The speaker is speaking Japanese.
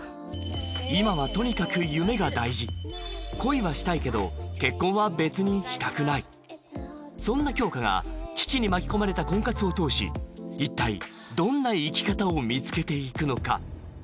今はとにかく夢が大事恋はしたいけど結婚は別にしたくないそんな杏花が父に巻き込まれた婚活を通し一体どんな生き方を見つけていくのか